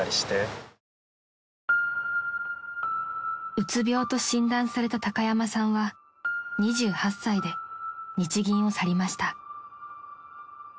［うつ病と診断された高山さんは２８歳で日銀を去りました］